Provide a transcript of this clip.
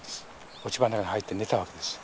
落ち葉の中に入って寝たわけです。